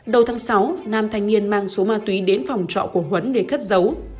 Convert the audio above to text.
đầu tháng sáu nam thanh niên mang số ma túy đến phòng trọ của huấn để cất giấu